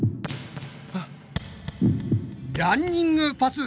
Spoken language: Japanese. ランニングパス。